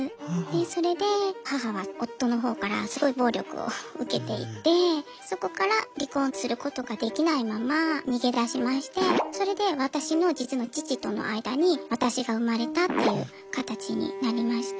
それで母は夫の方からすごい暴力を受けていてそこから離婚することができないまま逃げ出しましてそれで私の実の父との間に私が産まれたっていう形になりまして。